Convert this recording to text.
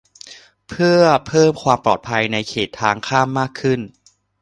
เพื่อเพิ่มความปลอดภัยในเขตทางข้ามมากขึ้น